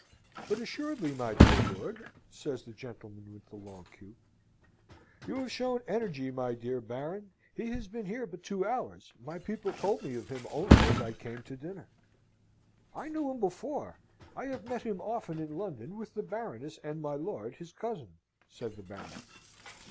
"But assuredly, my dear lord!" says the gentleman with the long queue. "You have shown energy, my dear Baron! He has been here but two hours. My people told me of him only as I came to dinner." "I knew him before! I have met him often in London with the Baroness and my lord, his cousin," said the Baron.